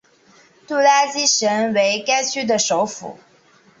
杜拉基什为该区的首府。